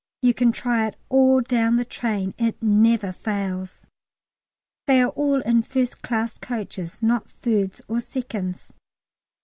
You can try it all down the train; it never fails. They are all in 1st class coaches, not 3rds or 2nds.